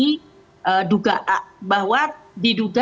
bahwa diduga terjadi kasus penistaan agama